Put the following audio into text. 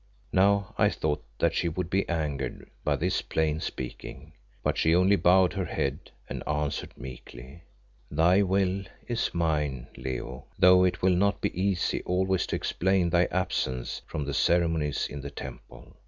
Now I thought that she would be angered by this plain speaking, but she only bowed her head and answered meekly "Thy will is mine, Leo, though it will not be easy always to explain thy absence from the ceremonies in the temple.